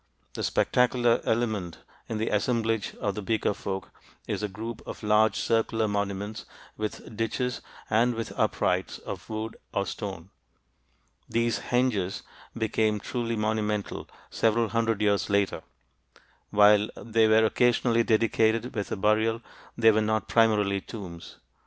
The spectacular element in the assemblage of the Beaker folk is a group of large circular monuments with ditches and with uprights of wood or stone. These "henges" became truly monumental several hundred years later; while they were occasionally dedicated with a burial, they were not primarily tombs.